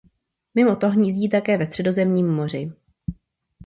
Mimo to hnízdí také ve Středozemním moři.